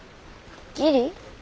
義理？